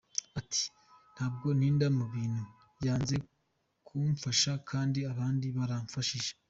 Ati « Ntabwo ntinda mu bintu, yanze kumfasha kandi abandi baramfashije.